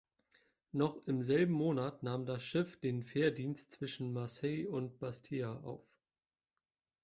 Noch im selben Monat nahm das Schiff den Fährdienst zwischen Marseille und Bastia auf.